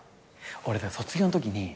俺卒業のときに。